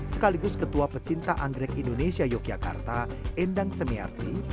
sekaligus ketua pecinta anggrek indonesia yogyakarta endang semiarti